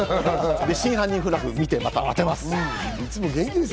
『真犯人フラグ』を見て、また当てます。